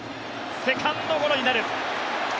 セカンドゴロになる。